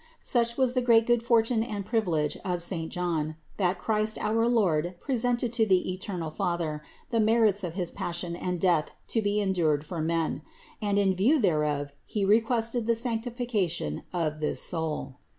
Such was the great good for tune and privilege of saint John, that Christ our Lord presented to the eternal Father the merits of his Passion and Death to be endured for men; and in view thereof He requested the sanctification of this soul.